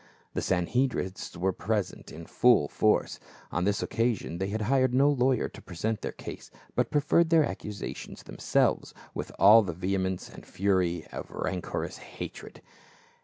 The Sanhedrists were present in full force ; on this occasion they had hired no lawyer to present their cause, but preferred their accusations themselves with all the vehemence and fury of rancorous hatred.